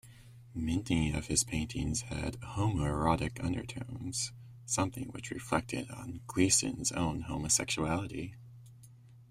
Many of his paintings had homoerotic undertones, something which reflected on Gleeson's own homosexuality.